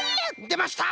でました！